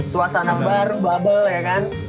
suasana baru bubble ya kan